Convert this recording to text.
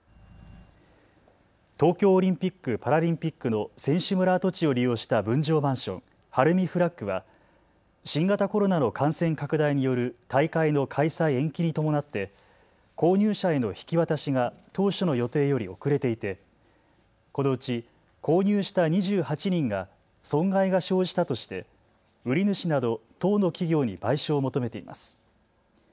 東京オリンピック・パラリンピックの選手村跡地を利用した分譲マンション、晴海フラッグは新型コロナの感染拡大による大会の開催延期に伴って購入者への引き渡しが当初の予定より遅れていてこのうち購入した２８人が損害が生じたとして売り主など１０の企業に賠償を求めています。